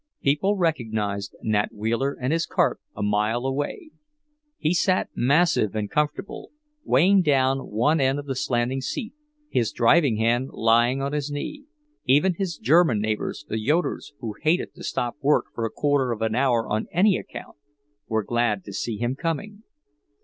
People recognized Nat Wheeler and his cart a mile away. He sat massive and comfortable, weighing down one end of the slanting seat, his driving hand lying on his knee. Even his German neighbours, the Yoeders, who hated to stop work for a quarter of an hour on any account, were glad to see him coming.